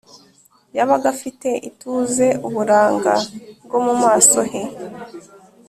yabaga afite ituze uburanga bwo mu maso he